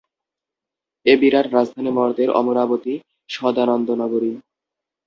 এ বিরাট রাজধানী মর্ত্যের অমরাবতী, সদানন্দ-নগরী।